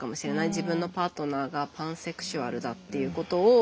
自分のパートナーがパンセクシュアルだっていうことを。